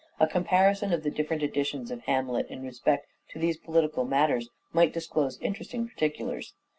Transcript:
A comparison of the different editions of DRAMATIC SELF REVELATION 483 " Hamlet " in respect to these political matters might disclose interesting particulars.